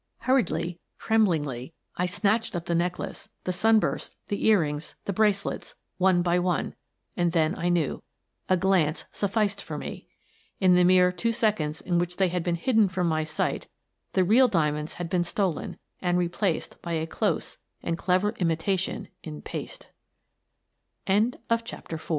Hurriedly, tremblingly, I snatched up the neck lace, the sunbursts, the earrings, the bracelets, one by one — and then I knew. A glance sufficed for me. In the mere two seconds in which they had been hidden from my sight the real diamonds had been stolen and replaced by a close a